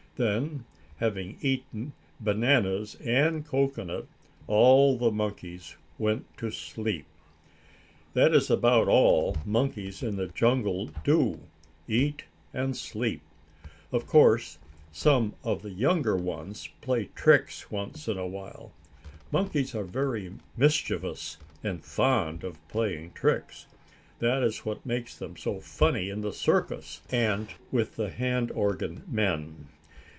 Then, having eaten bananas and cocoanut, all the monkeys went to sleep. That is about all monkeys in the jungle do eat and sleep. Of course some of the younger ones play tricks once in a while. Monkeys are very mischievous and fond of playing tricks. That is what makes them so funny in the circus, and with the hand organ men.